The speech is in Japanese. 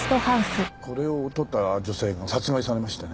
これを撮った女性が殺害されましてね。